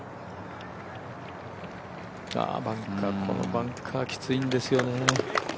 バンカーきついんですよね。